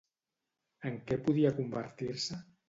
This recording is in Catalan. En què podia convertir-se?